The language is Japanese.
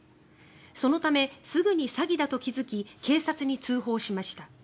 そのため、すぐに詐欺だと気付き警察に通報しました。